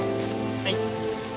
はい。